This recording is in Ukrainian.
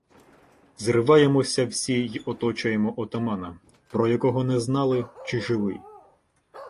Зриваємося всі й оточуємо отамана, про якого не знали, чи живий.